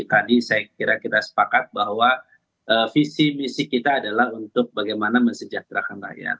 tadi saya kira kita sepakat bahwa visi misi kita adalah untuk bagaimana mensejahterakan rakyat